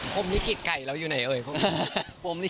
พรมนิขิตไก่เราอยู่ไหนเอ่ยพรมนิขิต